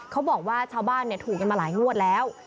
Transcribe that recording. เขาบอกว่าชาวบ้านถูกกันมาหลายงวดแล้ว